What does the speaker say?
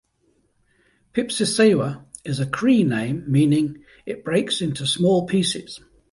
"Pipsissewa" is a Cree name meaning "It-breaks-into-small-pieces".